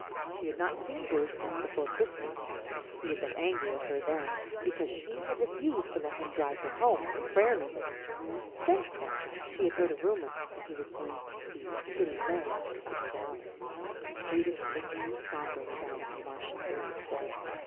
She had not seen Bruce since before Christmas. He had been angry at her then because she had refused to let him drive her home from prayer meeting. Since then she had heard a rumor that he was going to see Kitty Leigh at the Upper Valley. Judith looked sombrely down at the Marshall homestead.